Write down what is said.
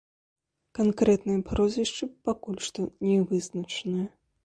Канкрэтныя прозвішчы пакуль што не вызначаныя.